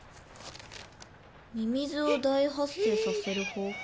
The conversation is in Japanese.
「ミミズを大発生させる方法」？